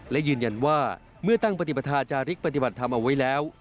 และยืนยันว่าเมื่อตั้งปฏิปทาจาริกปฏิบัติธรรมเอาไว้แล้ว